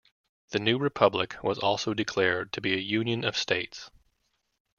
The new republic was also declared to be a "Union of States".